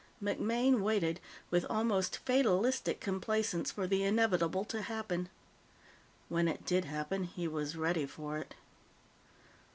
MacMaine waited with almost fatalistic complacence for the inevitable to happen. When it did happen, he was ready for it.